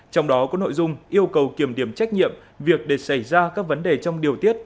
trong đó có nội dung yêu cầu kiểm điểm trách nhiệm việc để xảy ra các vấn đề trong điều tiết